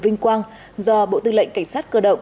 vinh quang do bộ tư lệnh cảnh sát cơ động